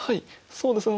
そうですね。